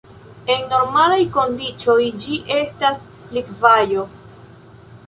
En normalaj kondiĉoj ĝi estas likvaĵo.